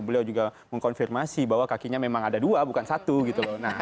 beliau juga mengkonfirmasi bahwa kakinya memang ada dua bukan satu gitu loh